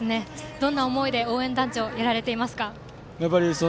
どんな思いで応援団長をされていますか？